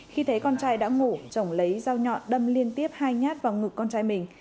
khi thấy con trai đã ngủ trọng lấy dao nhọn đâm liên tiếp hai nhát vào ngực con trai mình